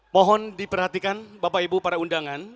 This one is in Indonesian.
mohon diperhatikan bapak ibu para undangan